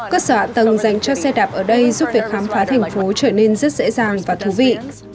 cơ sở hạ tầng dành cho xe đạp ở đây giúp việc khám phá thành phố trở nên rất dễ dàng và thú vị